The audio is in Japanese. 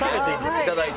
いただいて。